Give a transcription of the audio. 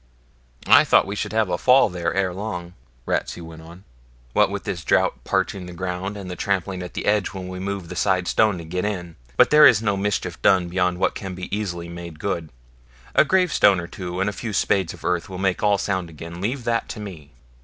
'I thought we should have a fall there ere long,' Ratsey went on, 'what with this drought parching the ground, and the trampling at the edge when we move out the side stone to get in, but there is no mischief done beyond what can be easily made good. A gravestone or two and a few spades of earth will make all sound again. Leave that to me.'